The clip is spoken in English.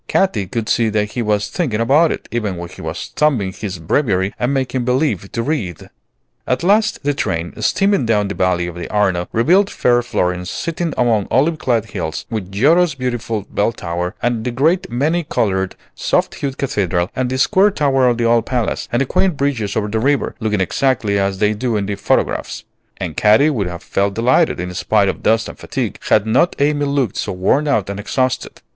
Katy could see that he was thinking about it, even when he was thumbing his Breviary and making believe to read. At last the train, steaming down the valley of the Arno, revealed fair Florence sitting among olive clad hills, with Giotto's beautiful Bell tower, and the great, many colored, soft hued Cathedral, and the square tower of the old Palace, and the quaint bridges over the river, looking exactly as they do in the photographs; and Katy would have felt delighted, in spite of dust and fatigue, had not Amy looked so worn out and exhausted.